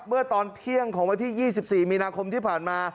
เมื่อตอนเที่ยงของวันที่๒๔มีนาคมที่ผ่านมา